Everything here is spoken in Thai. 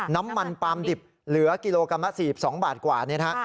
น้ำมันปลามดิบเหลือกิโลกรัมละ๔๒บาทกว่านี้นะฮะ